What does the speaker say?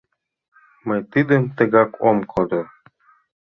Мый тидым тыгак ом кодо.